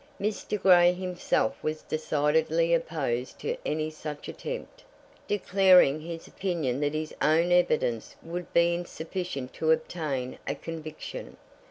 Mr. Grey himself was decidedly opposed to any such attempt, declaring his opinion that his own evidence would be insufficient to obtain a conviction.